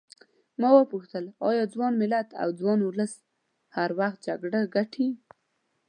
ما وپوښتل ایا ځوان ملت او ځوان ولس هر وخت جګړه ګټي.